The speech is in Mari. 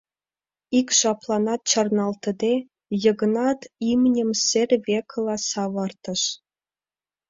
Ик жапланат чарналтыде, Йыгнат имньым сер векыла савыртыш.